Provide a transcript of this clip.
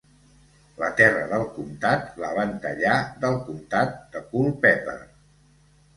La terra del comtat la van tallar del comtat de Culpeper.